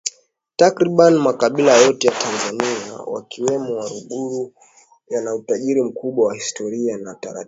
Takriban makabila yote ya Tanzania wakiwemo Waluguru yana utajiri mkubwa wa Historia na taratibu